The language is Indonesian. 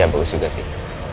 ya bagus juga sih